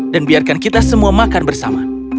dan biarkan kita semua makan bersama